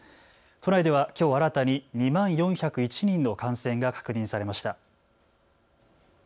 都内ではきょう新たに２万４０１人の感染が確認されました。